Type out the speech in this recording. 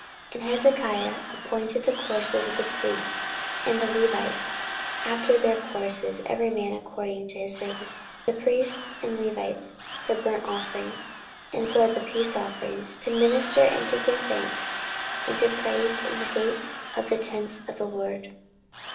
14:031:002 And Hezekiah appointed the courses of the priests and the Levites after their courses, every man according to his service, the priests and Levites for burnt offerings and for peace offerings, to minister, and to give thanks, and to praise in the gates of the tents of the LORD.